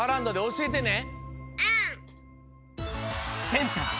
センター